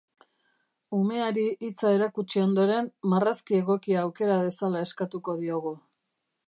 Umeari hitza erakutsi ondoren, marrazki egokia aukera dezala eskatuko diogu.